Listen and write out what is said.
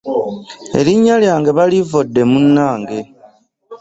Erinnya lyange balivodde munange .